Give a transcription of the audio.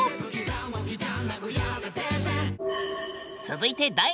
続いてあ！